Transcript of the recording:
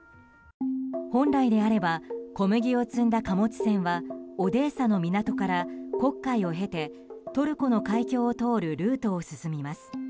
本来であれば小麦を積んだ貨物船はオデーサの港から黒海を経てトルコの海峡を通るルートを進みます。